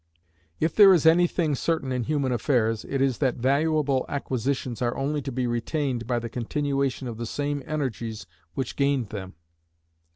If there is any thing certain in human affairs, it is that valuable acquisitions are only to be retained by the continuation of the same energies which gained them.